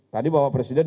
tadi bapak presiden